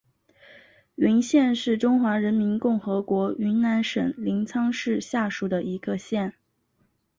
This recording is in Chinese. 云县是中华人民共和国云南省临沧市下属的一个县。